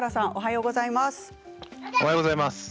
おはようございます。